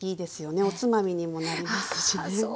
おつまみにもなりますしね。